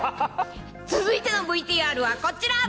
続いてのＶＴＲはこちら。